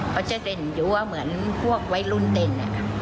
เขาจะเต้นเหมือนพวกไว้รุ่นเต้น